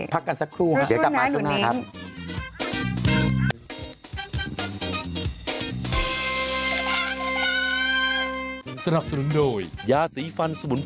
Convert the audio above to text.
พักกันสักครู่